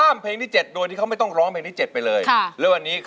ด้านล่างเขาก็มีความรักให้กันนั่งหน้าตาชื่นบานมากเลยนะคะ